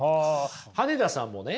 羽根田さんもね